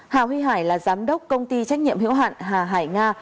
hà huy hải là giám đốc công ty trách nhiệm hiểu hạn hà hải nga